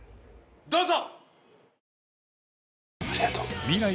どうぞ。